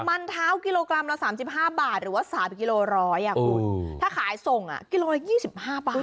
มันเท้ากิโลกรัมละ๓๕บาทหรือว่า๓๐๑๐๐บาทถ้าขายส่งกิโลกรัมละ๒๕บาท